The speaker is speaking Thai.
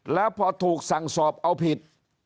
แล้วพอถูกสั่งสอบเอาผิด